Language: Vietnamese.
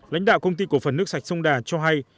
lãnh đạo công ty cổ phần nước sạch sông đà cho hay